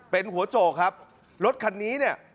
เป็นหัวโจกครับรถคันนี้เนี่ย